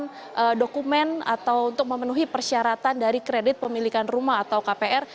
ini adalah penyerahan dokumen atau untuk memenuhi persyaratan dari kredit pemilikan rumah atau kpr